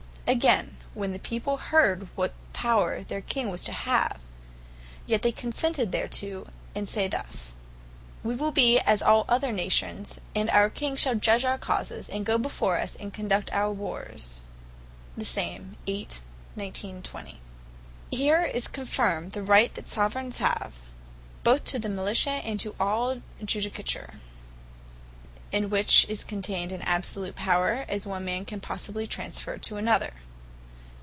Againe, when the people heard what power their King was to have, yet they consented thereto, and say thus, (Verse. 19 &c.) "We will be as all other nations, and our King shall judge our causes, and goe before us, to conduct our wars." Here is confirmed the Right that Soveraigns have, both to the Militia, and to all Judicature; in which is conteined as absolute power, as one man can possibly transferre to another.